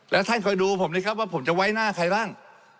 แล้วท่านคอยดูผมนะครับว่าผมจะไว้หน้าใครบ้าง